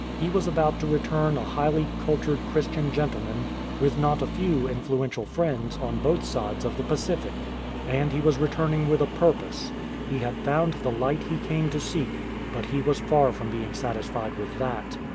He was about to return a highly cultured Christian gentleman, with not a few influential friends on both sides of the Pacific. And he was return ing with a purpose. He had found the light he came to seek, but he was far from being satisfied with that.